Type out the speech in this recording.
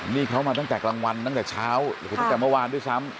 นี่เขามาตั้งแต่กลางวันตั้งแต่เช้าตั้งแต่เมื่อวานด้วยซ้ำ